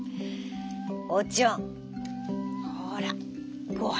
「おちょんほらごはんだよ」。